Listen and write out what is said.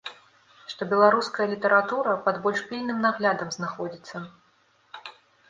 Што беларуская літаратура пад больш пільным наглядам знаходзіцца.